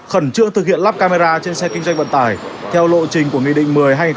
khẩn trương thực hiện lắp camera trên xe kinh doanh vận tải theo lộ trình của nghị định một mươi